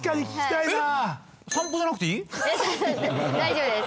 大丈夫です。